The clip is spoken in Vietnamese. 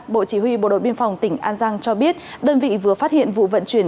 bộ chỉ huy bộ đội biên phòng tỉnh an giang cho biết đơn vị vừa phát hiện vụ vận chuyển